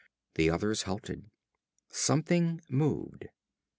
The others halted. Something moved.